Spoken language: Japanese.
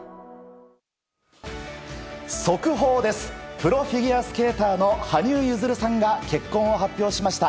プロフィギュアスケーターの羽生結弦さんが結婚を発表しました。